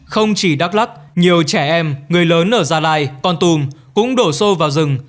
không chỉ đắk lắc nhiều trẻ em người lớn ở gia lai con tùm cũng đổ xô vào rừng